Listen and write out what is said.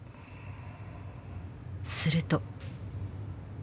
すると。